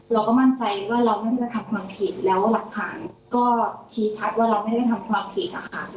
เราก็มั่นใจว่าเราไม่ได้กระทำความผิดแล้วหลักฐานก็ชี้ชัดว่าเราไม่ได้ทำความผิดอะค่ะ